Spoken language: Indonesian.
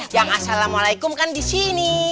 yang assalamualaikum kan di sini